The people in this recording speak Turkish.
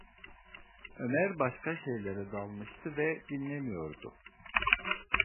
Ömer başka şeylere dalmıştı ve dinlemiyordu.